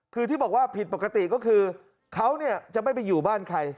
คือที่บอกว่าผิดปกติก็คือเขาจะไม่ไปอยู่บ้านใคร